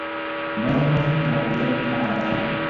دا زموږ د هویت نښه ده.